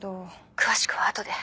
詳しくは後で。